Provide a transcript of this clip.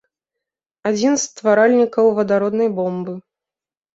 Адзін з стваральнікаў вадароднай бомбы.